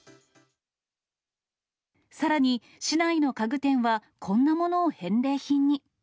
さらに、市内の家具店はこんなものを返礼品に。